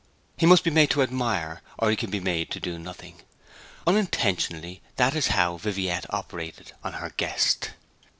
He must be made to admire, or he can be made to do nothing. Unintentionally that is how Viviette operated on her guest.